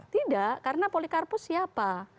tidak karena polikarpus siapa